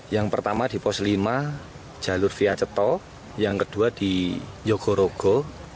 yang pertama di pos lima jalur via ceto yang kedua di yogorogo